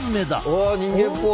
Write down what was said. わ人間っぽい。